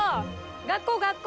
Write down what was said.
学校学校！